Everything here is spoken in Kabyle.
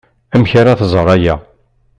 Amek ara tẓer aya?